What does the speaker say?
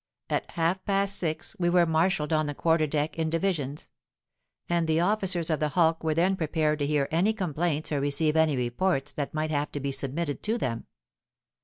At half past six, we were marshalled on the quarter deck, in divisions; and the officers of the hulk were then prepared to hear any complaints or receive any reports that might have to be submitted to them.